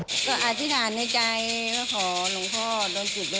เลขครั้งแรกก็๑๓กับ๙ค่ะ